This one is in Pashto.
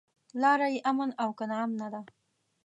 لاره يې امن او که ناامنه ده.